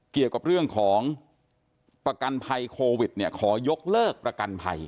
เกี่ยวกับเรื่องของประกันภัยโควิดเนี่ยขอยกเลิกประกันภัย